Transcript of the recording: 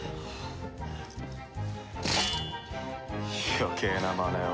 余計なまねを。